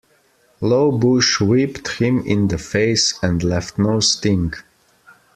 Low bush whipped him in the face and left no sting.